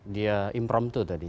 dia impromptu tadi